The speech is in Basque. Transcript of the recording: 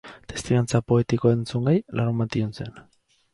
Testigantza poetikoa entzungai, larunbat iluntzean.